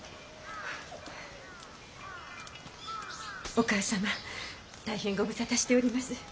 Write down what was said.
お母様大変ご無沙汰しております。